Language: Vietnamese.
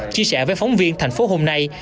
chia sẻ với phóng viên thành phố hôm nay